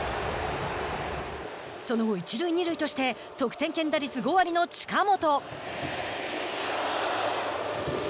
その後一塁二塁として得点圏打率５割の近本。